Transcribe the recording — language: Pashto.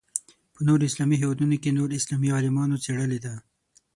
په نورو اسلامي هېوادونو کې نور اسلامي عالمانو څېړلې ده.